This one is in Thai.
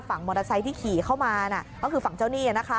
ฝั่งมอเตอร์ไซต์ที่ขี่เข้ามาคือฝั่งเจ้าหนี้